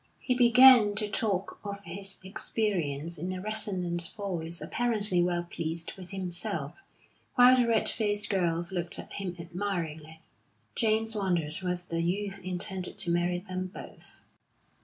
He began to talk of his experience in a resonant voice, apparently well pleased with himself, while the red faced girls looked at him admiringly. James wondered whether the youth intended to marry them both.